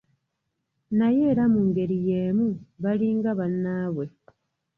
Naye era mu ngeri yeemu balinga bannaabwe.